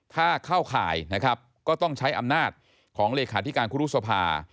ถ้าเข้าข่ายนะครับก็ต้องใช้อำนาจของเลขาธิการครูรุษภา